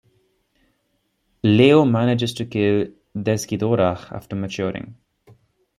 Leo manages to kill Desghidorah after maturing.